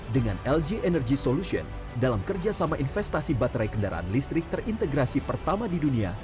dengan lg energy solution dalam kerjasama investasi baterai kendaraan listrik terintegrasi pertama di dunia